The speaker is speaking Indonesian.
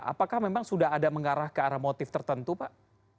apakah memang sudah ada mengarah ke arah motif tertentu pak